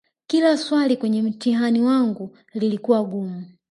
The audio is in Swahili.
kila swali kwenye mtihani wangu lilikuwa gumu